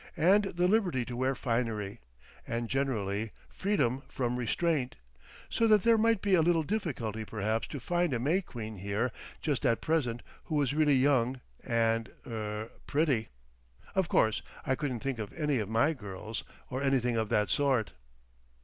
And the liberty to wear finery. And generally—freedom from restraint. So that there might be a little difficulty perhaps to find a May Queen here just at present who was really young and er—pretty.... Of course I couldn't think of any of my girls—or anything of that sort."